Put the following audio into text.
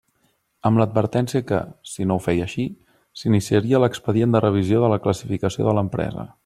Amb l'advertència que, si no ho feia així, s'iniciaria l'expedient de revisió de la classificació de l'empresa.